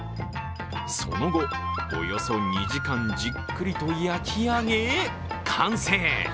その後、およそ２時間じっくりと焼き上げ、完成。